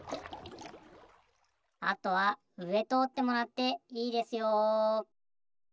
あとはうえとおってもらっていいですよ。